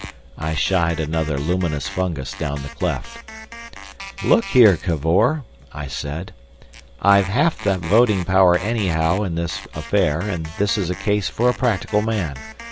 I shied another luminous fungus down the cleft. "Look here, Cavor," I said, "I've half the voting power anyhow in this affair, and this is a case for a practical man.